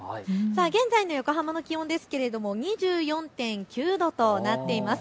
現在の横浜の気温ですが２４．９度となっています。